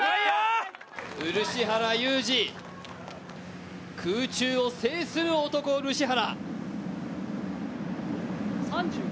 漆原裕治、空中を制する男・漆原。